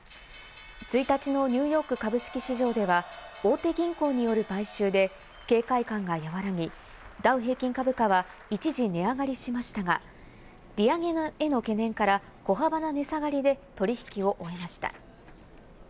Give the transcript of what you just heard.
１日のニューヨーク株式市場では大手銀行による買収で警戒感が和らぎ、ダウ平均株価は一時、値上がりしましたが、利上げへの懸念から小幅な値下がりで取引を終えました。